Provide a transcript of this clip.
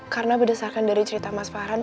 karena berdasarkan dari cerita mas farhan